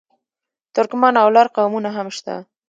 ترکمن او لر قومونه هم شته.